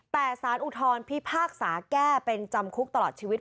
แต่สารอุทธรพิพากษาแก้เป็นจำคุกตลอดชีวิต